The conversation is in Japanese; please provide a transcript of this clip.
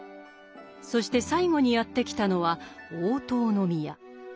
そして最後にやって来たのは大塔宮。